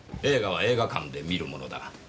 「映画は映画館で観るものだ」